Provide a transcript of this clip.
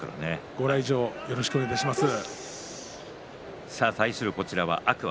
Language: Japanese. ご来場よろしくお願いいたします。